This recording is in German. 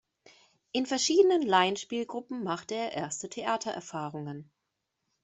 In verschiedenen Laienspielgruppen machte er erste Theatererfahrungen.